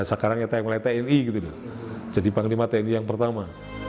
sekarangnya tni jadi panglima tni yang pertama